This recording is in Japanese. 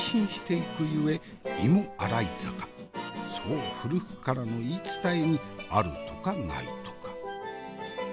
そう古くからの言い伝えにあるとかないとか。